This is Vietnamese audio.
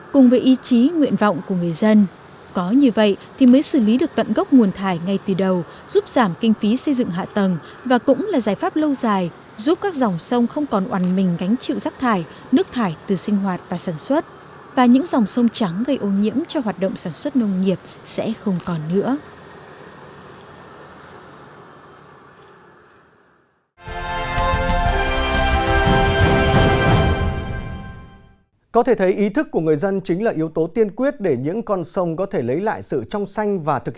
cùng với ý chí nguyện vọng của người dân có như vậy thì mới xử lý được tận gốc nguồn thải ngay từ đầu giúp giảm kinh phí xây dựng hạ tầng và cũng là giải pháp lâu dài giúp các dòng sông không còn oằn mình gánh chịu rắc thải nước thải từ sinh hoạt và sản xuất và những dòng sông trắng gây ô nhiễm cho hoạt động sản xuất nông nghiệp sẽ không còn nữa